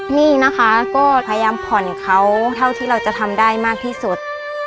หนี้นะคะก็พยายามผ่อนเขาเท่าที่เราจะทำได้มากที่สุด